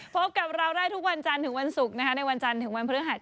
พบกับเราได้ทุกวันจันทร์ถึงวันศุกร์นะคะในวันจันทร์ถึงวันพฤหัส